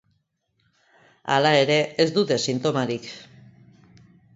Hala ere, ez dute sintomarik.